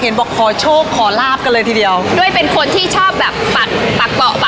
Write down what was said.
เห็นบอกขอโชคขอลาบกันเลยทีเดียวด้วยเป็นคนที่ชอบแบบปักป่อปักห้อยอะค่ะ